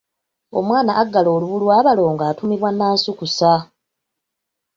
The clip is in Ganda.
Omwana aggala olubu lw’abalongo atuumibwa Nansukusa.